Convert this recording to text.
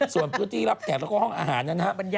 ส่วนพื้นที่รับแขกแล้วก็ห้องอาหารนั้นนะครับ